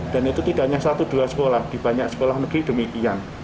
dan itu tidak hanya satu dua sekolah di banyak sekolah negeri demikian